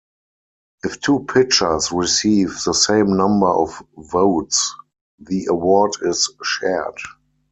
If two pitchers receive the same number of votes, the award is shared.